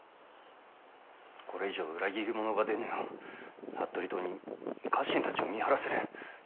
これ以上裏切り者が出ぬよう服部党に家臣たちを見張らせる。